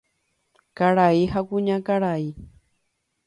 Karai ha kuñakarai.